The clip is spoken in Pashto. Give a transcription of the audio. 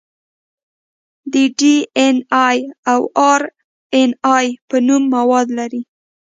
د ډي ان اې او ار ان اې په نوم مواد لري.